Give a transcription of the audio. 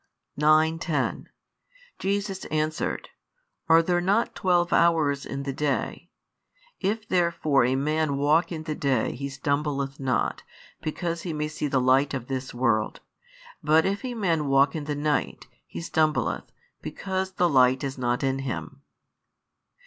9, 10 Jesus answered, Are there not twelve hours in the day? If therefore a man walk in the day, he stumbleth not, because he may see the light of this world. But if a man walk in the night, he stumbleth, because the light is not in him.